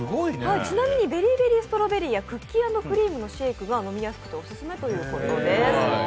ちなみにベリーベリーストロベリーやクッキーアンドクリームのシェークが飲みやすくておすすめということです。